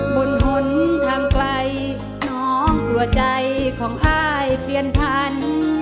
บนหนทางไกลน้องหัวใจของค่ายเปลี่ยนพันธุ์